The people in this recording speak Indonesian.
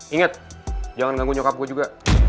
ingat jangan ganggu nyokap gue juga